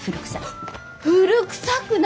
あっ古くさくない！